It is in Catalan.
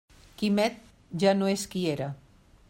Quimet ja no és qui era.